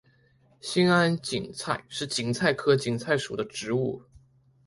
兴安堇菜是堇菜科堇菜属的植物。